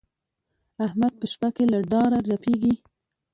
احمد په شپه کې له ډاره رپېږي.